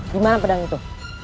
dimana pedang itu